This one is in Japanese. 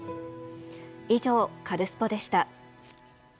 以上、カルスポっ！でした。